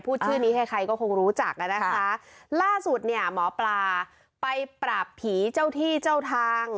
ชื่อนี้ใครใครก็คงรู้จักอ่ะนะคะล่าสุดเนี่ยหมอปลาไปปราบผีเจ้าที่เจ้าทาง